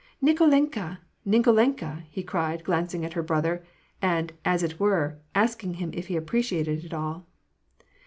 " Nikolenka ! Nikolenka !" he cried, glancing at her brother, and, as it were, asking him if he appreciated it all.